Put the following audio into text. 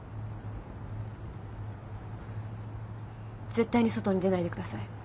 絶対に外に出ないでください。